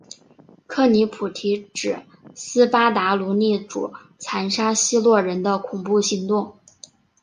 克里普提指斯巴达奴隶主残杀希洛人的恐怖行动。